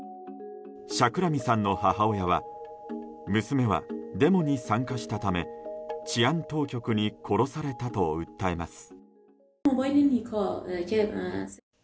シャクラミさんの母親は娘はデモに参加したため治安当局に殺されたと訴えます。